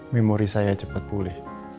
memori saya cepet pulih